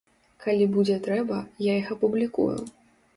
Калі будзе трэба, я іх апублікую.